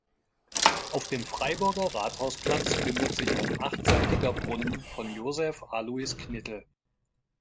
Auf dem Freiburger Rathausplatz findet sich ein achtseitiger Brunnen von Josef Alois Knittel.